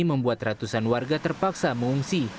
membuat ratusan warga terpaksa mengungsi